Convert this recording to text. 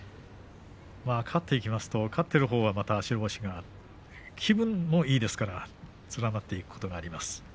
勝っていきますと、また白星が気分もいいですから連なっていくことがあります。